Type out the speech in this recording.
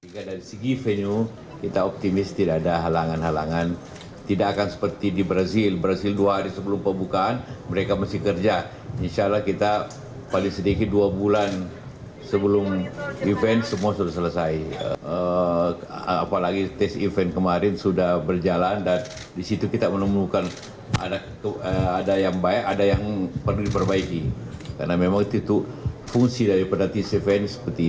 kalla menegaskan segala persoalan yang masih menjadi kekurangan dalam penyelenggaraan akan segera diselesaikan